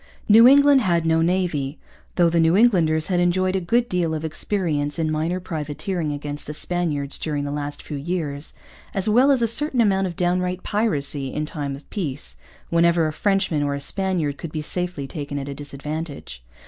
New England had no navy, though the New Englanders had enjoyed a good deal of experience in minor privateering against the Spaniards during the last few years, as well as a certain amount of downright piracy in time of peace, whenever a Frenchman or a Spaniard could be safely taken at a disadvantage.